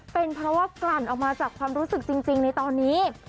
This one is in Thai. เป็นเพราะว่ากลั่นออกมาจากความรู้สึกจริงในตอนนี้